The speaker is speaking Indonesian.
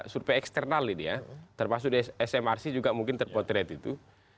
survei eksternal ini ya termasuk di smrc juga mungkin terpotret itu